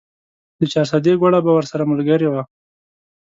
د چارسدې ګوړه به ورسره ملګرې وه.